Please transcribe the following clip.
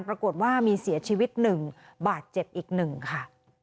ปรากฏว่ามีเสียชีวิต๑บาดเจ็บอีก๑ค่ะ